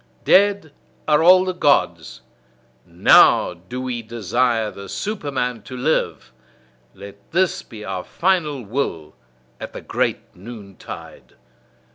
"DEAD ARE ALL THE GODS: NOW DO WE DESIRE THE SUPERMAN TO LIVE." Let this be our final will at the great noontide!